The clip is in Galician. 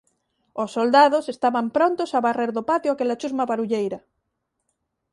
Os soldados estaban prontos a varrer do patio aquela chusma barulleira.